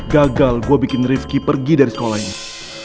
gagal gue bikin rifki pergi dari sekolah ini